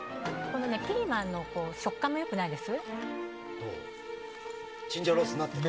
ピーマンの食感も良くないんです？